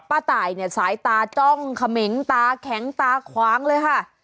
ตายเนี่ยสายตาจ้องเขมงตาแข็งตาขวางเลยค่ะ